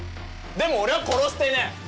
でも俺は殺してねえ。